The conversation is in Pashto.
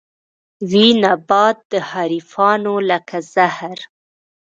وي نبات د حريفانو لکه زهر